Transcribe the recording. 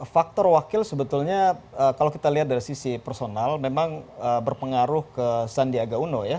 faktor wakil sebetulnya kalau kita lihat dari sisi personal memang berpengaruh ke sandiaga uno ya